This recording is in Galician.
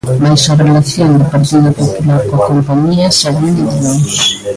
Mais a relación do Partido Popular coa compañía xa viña de lonxe.